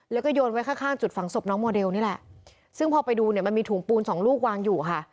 แล้วก็โยนไว้ข้างข้างจุดฝังศพน้องโมเดลนี่แหละซึ่งพอไปดูเนี่ยมันมีถุงปูนสองลูกวางอยู่ค่ะ